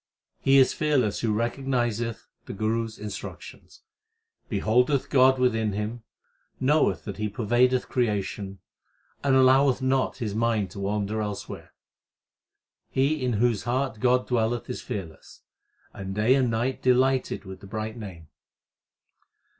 He is fearless who recognizeth the Guru s instructions, Beholdeth God within him, knoweth that He pervadeth creation, and alloweth not his mind to wander elsewhere. He in whose heart God dwelleth is fearless, And day and night delighted with the bright Name.